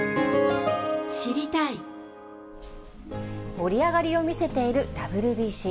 盛り上がりを見せているＷＢＣ。